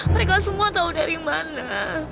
mereka semua tahu dari mana